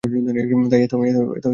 তাই এত ঘোরালো মনে হয়ে থাকবে।